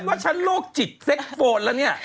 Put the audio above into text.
ว่าฉันโรคจิตเซ็กโฟนแล้วเนี่ย